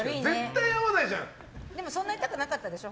そんな痛くなかったでしょ？